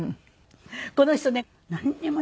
この人ねなんにも言わない。